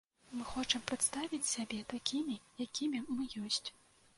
Мы хочам прадставіць сябе такімі, якімі мы ёсць.